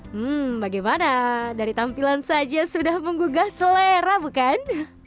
hmm bagaimana dari tampilan saja sudah menggugah selera bukan